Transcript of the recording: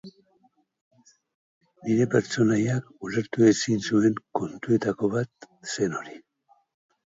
Nire pertsonaiak ulertu ezin zuen kontuetako bat zen hori.